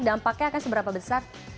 dampaknya akan seberapa besar